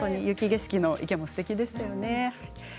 雪景色の池もすてきでしたよね。